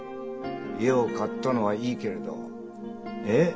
家を買ったのはいいけれどえっ？